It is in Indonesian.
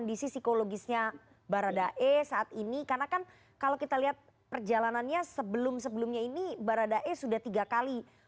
ini sudah tiga kali